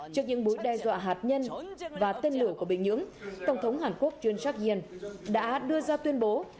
trước những mối đe dọa hạt nhân và tên lửa của bình nhưỡng tổng thống hàn quốc jun suk in đã đưa ra tuyên bố